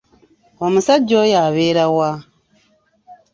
Omusajja oyo abeera wa?